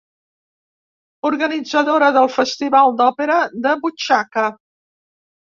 Organitzadora del Festival d'Òpera de Butxaca.